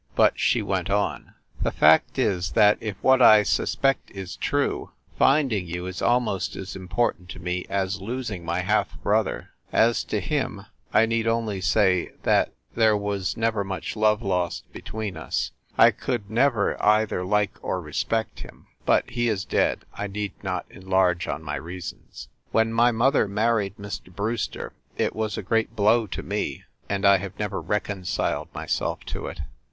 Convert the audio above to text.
But she went on. "The fact is, that if what I suspect is true, finding you is almost as important to me as losing my half brother. As to him, I need only say that there was THE BREWSTER MANSION 315 never much love lost between us. I could never either like or respect him. But he is dead I need not enlarge on my reasons. When my mother mar ried Mr. Brewster it was a great blow to me, and I have never reconciled myself to it.